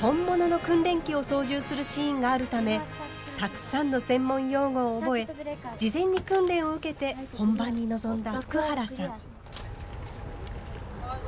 本物の訓練機を操縦するシーンがあるためたくさんの専門用語を覚え事前に訓練を受けて本番に臨んだ福原さん。